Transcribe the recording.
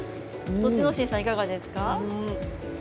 栃ノ心さんいかがですか？